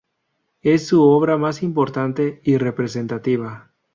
Es su obra más importante y representativa.